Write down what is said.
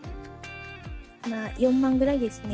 まあ４万ぐらいですね。